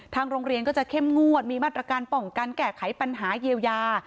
โรงเรียนก็จะเข้มงวดมีมาตรการป้องกันแก้ไขปัญหาเยียวยา